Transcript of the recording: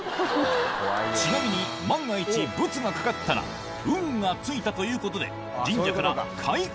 ちなみに万が一ブツがかかったら「運がついた」ということで神社から会運